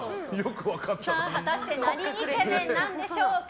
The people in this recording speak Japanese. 果たしてなにイケメンなんでしょうか。